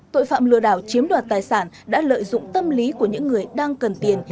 tội phạm lừa đảo chiếm đoạt tài sản đã lợi dụng tâm lý của những người đang cần tiền